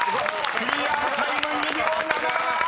［クリアタイム２秒７７］